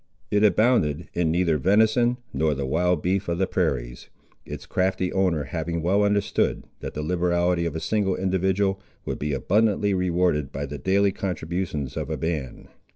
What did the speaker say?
It abounded in neither venison, nor the wild beef of the prairies; its crafty owner having well understood that the liberality of a single individual would be abundantly rewarded by the daily contributions of a band.